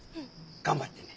頑張ってね。